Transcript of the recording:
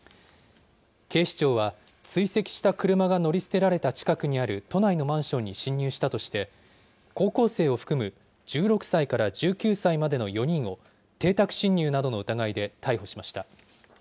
警視庁は、追跡した車が乗り捨てられた近くにある都内のマンションに侵入したとして、高校生を含む１６歳から１９歳までの４人を、邸宅侵入などの疑いで逮捕しました。